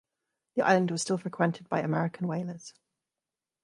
The island was still frequented by American whalers.